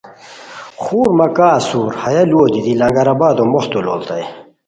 خور مہ کا اسور ہیہ لوؤ دیتی لنگرآبادو موختو لوڑیتائے